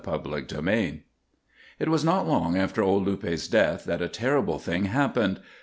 III It was not long after old Luppe's death that a terrible thing happened.